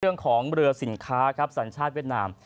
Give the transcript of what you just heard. เรื่องของเรือสินค้าครับสัญชาติเวียดนาม